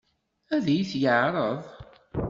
Ad iyi-t-yeɛṛeḍ?